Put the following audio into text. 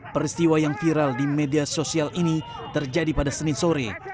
peristiwa yang viral di media sosial ini terjadi pada senin sore